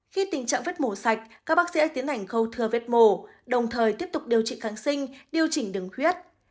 khi tình trạng vết mổ sạch các bác sĩ tiến hành khâu thưa vết mổ đồng thời tiếp tục điều trị kháng sinh điều chỉnh đường huyết